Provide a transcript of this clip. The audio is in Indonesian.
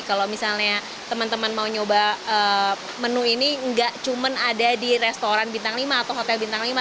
kalau misalnya teman teman mau nyoba menu ini nggak cuma ada di restoran bintang lima atau hotel bintang lima